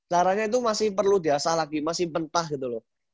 caranya itu masih perlu diasah lagi masih pentah gitu loh